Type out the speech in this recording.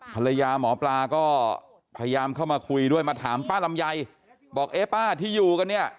ภรรยาหมอปลาก็พยายามเข้ามาคุยด้วยมาถามป้าลำไยบอกเอ๊ะป้าที่อยู่กันเนี่ย